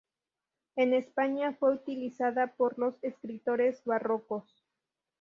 En España fue utilizada por los escritores barrocos.